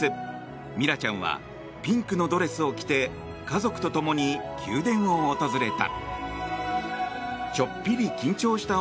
ミラちゃんはピンクのドレスを着て家族と共に宮殿を訪れた。